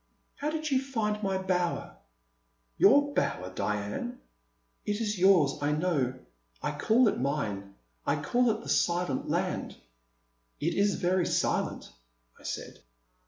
How did you find my bower?*' Your bower, Diane ?" ''It is yours I know ; I call it mine ; I call it the Silent Land." It is very silent," I said.